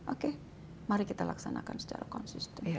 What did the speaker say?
oke mari kita laksanakan secara konsisten